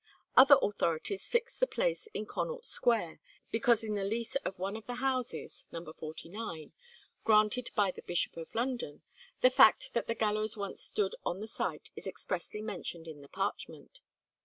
Other authorities fix the place in Connaught Square; because in a lease of one of the houses, No. 49, granted by the Bishop of London, the fact that the gallows once stood on the site is expressly mentioned in the parchment.